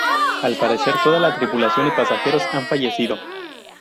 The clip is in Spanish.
Al parecer toda la tripulación y pasajeros han fallecido.